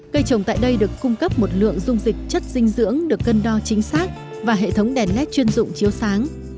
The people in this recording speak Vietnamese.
cây trồng tại đây được cung cấp một lượng dung dịch chất dinh dưỡng được cân đo chính xác và hệ thống đèn led chuyên dụng chiếu sáng